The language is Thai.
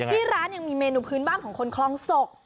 ที่ร้านยังมีเมนูพื้นบ้านของคนคลองศก